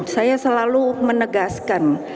saya selalu menegaskan